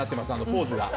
ポーズが。